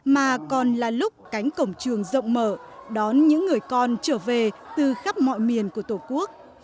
mà còn là lúc cánh cổng trường rộng mở đón những người con trở về từ khắp mọi miền của tổ quốc